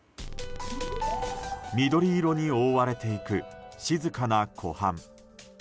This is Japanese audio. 緑色に覆われていく静かな湖畔。